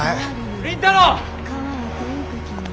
倫太郎！